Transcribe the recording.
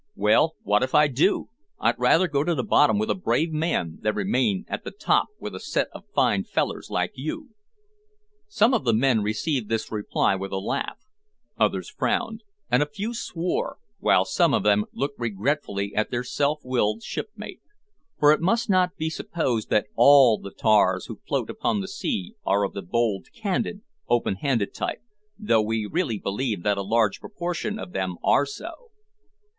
"Well, wot if I do? I'd raither go to the bottom with a brave man, than remain at the top with a set o' fine fellers like you!" Some of the men received this reply with a laugh, others frowned, and a few swore, while some of them looked regretfully at their self willed shipmate; for it must not be supposed that all the tars who float upon the sea are of the bold, candid, open handed type, though we really believe that a large proportion of them are so.